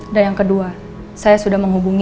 nah yang kedua saya sudah menghubungi